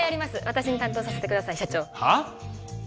私に担当させてください社長はっ？